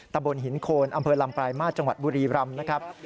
ตะบนหินโคนอำเภอลำปลายมาตรจังหวัดบุรีรำนะครับ